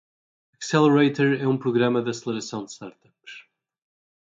Accelerator é um programa de aceleração de startups.